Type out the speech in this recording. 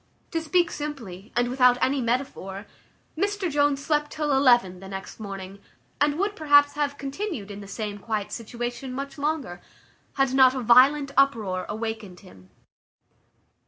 To speak simply, and without any metaphor, Mr Jones slept till eleven the next morning, and would, perhaps, have continued in the same quiet situation much longer, had not a violent uproar awakened him.